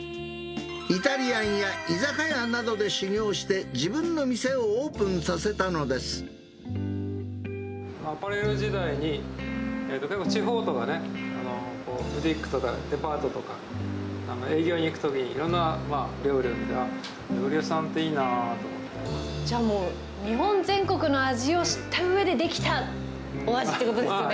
イタリアンや居酒屋などで修業して、自分の店をオープンさせたのアパレル時代に、例えば地方とかね、ブティックとか、デパートとか、営業に行くときにいろんな料理を見て、料理屋さんっていいなぁとじゃあもう、日本全国の味を知ったうえで出来たお味ということですね。